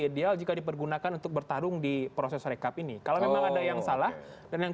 ideal jika dipergunakan untuk bertarung di proses rekap ini kalau memang ada yang salah dan yang